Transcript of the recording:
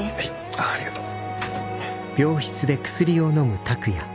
あっありがとう。